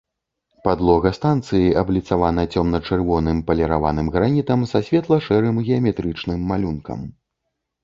Падлога станцыі абліцавана цёмна-чырвоным паліраваным гранітам са светла-шэрым геаметрычным малюнкам.